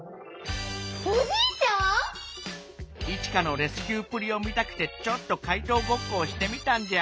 おじいちゃん⁉「イチカのレスキューっぷりを見たくてちょっと怪盗ごっこをしてみたんじゃ」。